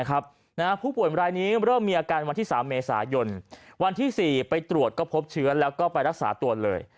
ผู้ป่วยรายนี้เริ่มมีอาการวันที่๓เมษายนวันที่๔ไปตรวจก็พบเชื้อแล้วก็ไปรักษาตัวเลย